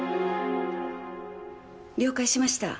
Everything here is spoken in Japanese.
了解しました。